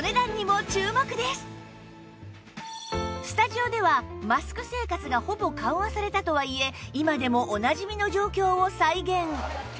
スタジオではマスク生活がほぼ緩和されたとはいえ今でもおなじみの状況を再現